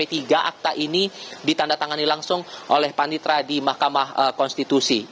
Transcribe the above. tiga akta ini ditanda tangani langsung oleh panitra di mahkamah konstitusi